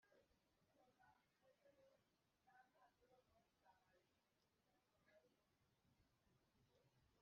Abanyiginya b’Abanana bakomoka kuri Munana